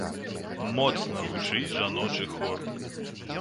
Моцна гучыць жаночы хор.